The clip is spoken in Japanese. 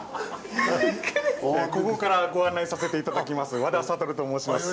ここからご案内させて頂きます